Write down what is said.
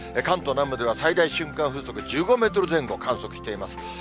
関東南部では最大瞬間風速１５メートル前後、観測しています。